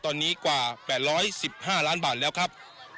ตอนนี้กว่า๘๑๕ล้านบาทแล้วครับ